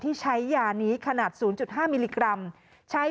ถ้าหากว่าเราทราบค่ะว่ามีใครขายยาไหน